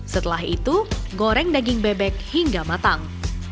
setelah itu goreng daging bebek hingga matang